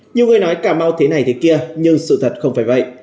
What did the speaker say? nhiều người nói cà mau thế này thế kia nhưng sự thật không phải vậy